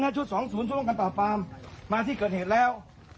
ห้าชุดสองศูนย์ที่ต้องการต่อปรามมาที่เกิดเหตุแล้ว